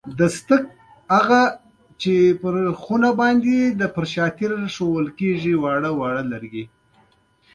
غور په تاریخي کتابونو کې د غرجستان په نوم هم یاد شوی دی